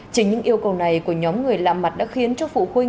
chính những yêu cầu này của nhóm người làm mặt đã khiến cho phụ huynh